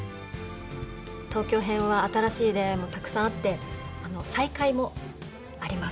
東京編は新しい出会いもたくさんあって再会もあります。